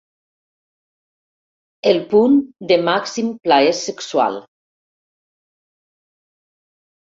El punt de màxim plaer sexual.